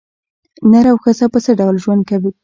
نر او ښځه په څه ډول ژوند وکړي.